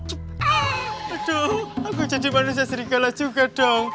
aduh aku jadi manusia seringkala juga dong